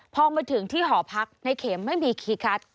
พอมาถึงที่หอพักในเข็มไม่มีคีย์คัท